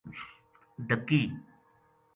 ڈَکی